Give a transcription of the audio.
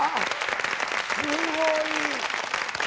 すごい。